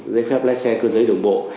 dây phép lái xe cơ giới đường bộ